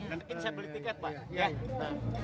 nanti saya beli tiket pak